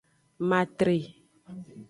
Matre.